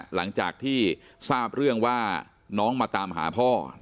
หลังจากที่ทราบเรื่องว่าน้องมาตามหาพ่อ